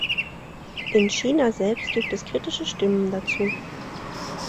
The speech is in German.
In China selbst gibt es kritische Stimmen dazu.